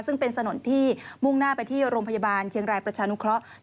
ซึ่งเป็นถนนที่มุ่งหน้าไปที่โรงพยาบาลเชียงรายประชานุเคราะห์